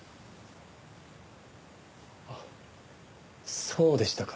あっそうでしたか。